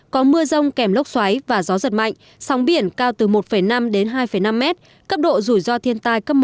có mưa rông kèm lốc xoáy và gió giật mạnh sóng biển cao từ một năm đến hai năm m cấp độ rủi ro thiên tai cấp một